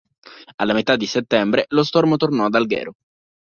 Alla metà di settembre lo stormo tornò ad Alghero.